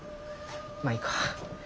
まあいいか。